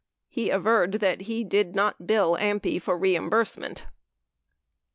30 He averred that he did not bill AMPI for reimbursement.